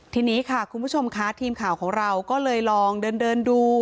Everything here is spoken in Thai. ทีนี้ค่ะคุณผู้ชมค่ะทีมข่าวของเราก็เลยลองเดินดู